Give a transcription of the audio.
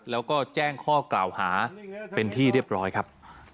แล้วก็แจ้งข้อกล่าวหาเป็นที่เรียบร้อยครับ